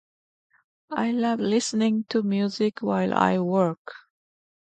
I love listening to music while I work.